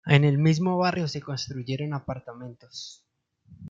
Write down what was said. En el mismo barrio se construyeron apartamentos.